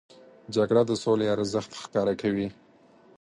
جګړه د سولې ارزښت ښکاره کوي